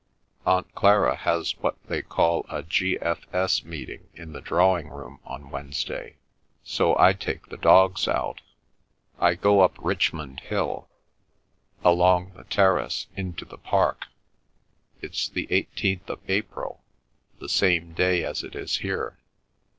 Aunt Clara has what they call a G.F.S. meeting in the drawing room on Wednesday, so I take the dogs out. I go up Richmond Hill, along the terrace, into the park. It's the 18th of April—the same day as it is here.